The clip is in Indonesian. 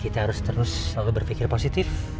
kita harus terus selalu berpikir positif